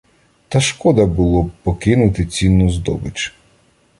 Та шкода було б покинути цінну здобич.